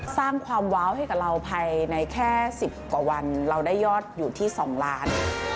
สร้างความว้าวให้กับเราภายในแค่๑๐กว่าวันเราได้ยอดอยู่ที่๒ล้าน